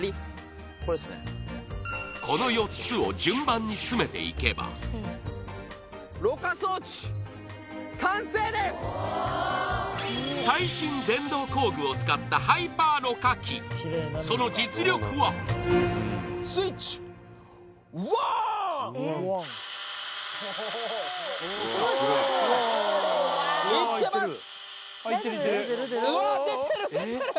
この４つを順番に詰めていけば最新電動工具を使ったハイパーろ過器その実力はいってます